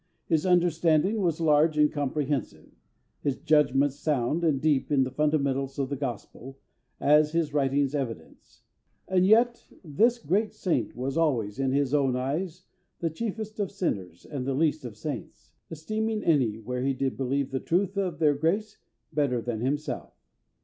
His understanding was large and comprehensive; his judgments sound and deep in the fundamentals of the Gospel, as his writings evidence. And yet, this great saint was always, in his own eyes, the chiefest of sinners and the least of saints; esteeming any, where he did believe the truth of (their) grace, better than himself.